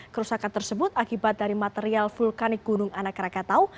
kerusakan tersebut akibat dari material vulkanik gunung anak rakatau